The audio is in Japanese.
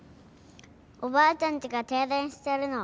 おばあちゃんちが停電してるの。